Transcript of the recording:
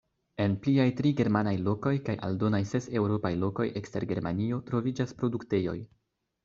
En pliaj tri germanaj lokoj kaj aldonaj ses eŭropaj lokoj ekster Germanio troviĝas produktejoj.